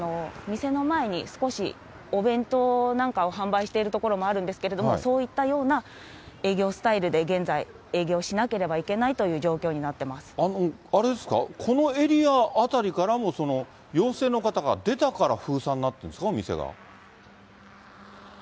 店の前に少しお弁当なんかを販売している所もあるんですけれども、そういったような営業スタイルで現在、営業しなければいけないとあれですか、このエリア辺りからも、陽性の方が出たから封鎖になってるんですか、お店が。